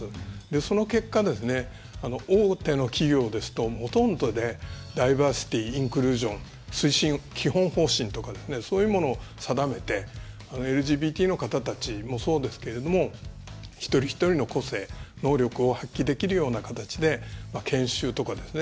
その結果、大手の企業ですとほとんどで、ダイバーシティ・インクルージョン推進基本方針とかそういうものを定めてＬＧＢＴの方たちもそうですけど一人一人の個性能力を発揮できるような形で研修とかですね。